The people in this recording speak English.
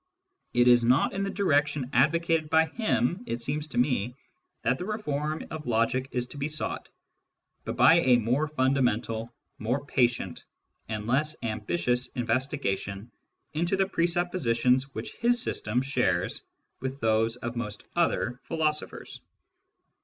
It is not in the direction advocated by him, it seems to me, *that the reform of logic is to be sought, but by a more fundamental, more patient, and less ambitious investiga tion into the presuppositions which his system shares with those of most other philosophers.